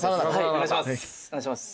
お願いします